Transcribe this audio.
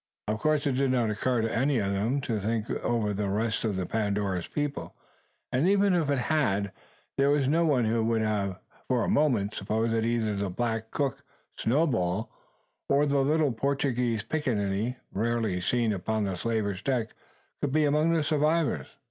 Of course it did not occur to any of them to think over the rest of the Pandora's people; and even if it had, there was no one who would have for a moment supposed that either the black cook, Snowball, or the little Portuguese pickaninny, rarely seen upon the slaver's deck, could be among the survivors.